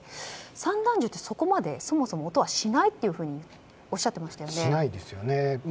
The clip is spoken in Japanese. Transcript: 散弾銃って、そこまでそもそも音はしないとしないですよね。